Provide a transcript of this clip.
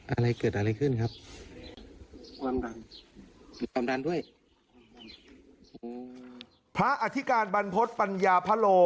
อะไรเกิดอะไรขึ้นครับมีความดันด้วยพระอธิกาลบรรพฤติปัญญาพระโล